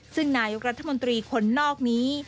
ซึ่งนายกรัฐมนตรีคนนอกนี้